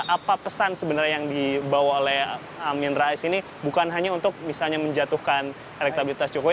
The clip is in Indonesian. apa pesan sebenarnya yang dibawa oleh amin rais ini bukan hanya untuk misalnya menjatuhkan elektabilitas jokowi